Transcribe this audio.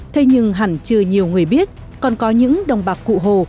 thế nhưng hẳn chưa nhiều người biết còn có những đồng bạc cụ hồ